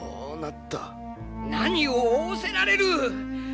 何を仰せられる！